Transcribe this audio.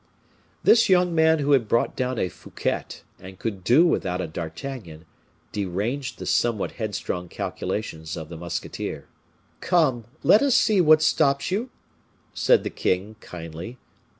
This young man who had brought down a Fouquet, and could do without a D'Artagnan, deranged the somewhat headstrong calculations of the musketeer. "Come, let us see what stops you?" said the king, kindly.